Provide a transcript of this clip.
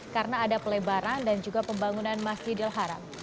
karena ada pelebaran dan juga pembangunan masjidil haram